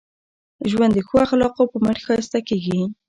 ژوند د ښو اخلاقو په مټ ښایسته کېږي.